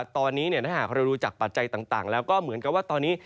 ตอนนี้ถ้าหากเราดูจากปัจจัยต่างแล้วก็เหมือนกับว่าตอนนี้